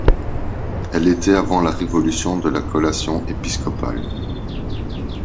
Elle était avant le Révolution de la collation épiscopale.